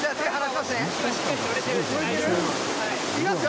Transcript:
いきますよ。